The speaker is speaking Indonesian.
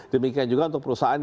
demikian juga untuk perusahaan